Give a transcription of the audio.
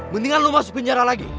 mendingan lo masuk penjara lagi